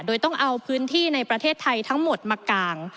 โดยต้องเอาพื้นที่ในประเทศไทยทั้งหมดมากาง